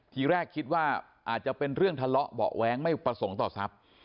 ทีแรกคิดว่าอาจจะเป็นเรื่องทะเลาะเบาะแว้งไม่ประสงค์ต่อทรัพย์